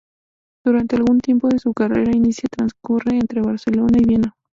Durante algún tiempo de su carrera inicial transcurre entre Barcelona y Viena.